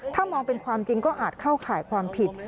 ถ้ามองเป็นความจริงก็อาจเข้าข่ายความผิด